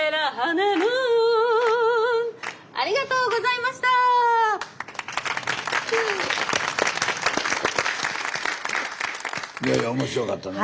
いやいや面白かったな。